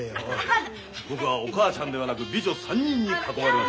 僕はおかあちゃんではなく美女３人に囲まれましょうかね。